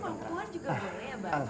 emang pampuan juga boleh ya pak